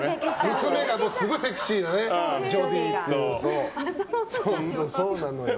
娘がすごいセクシーなジョディーっていう。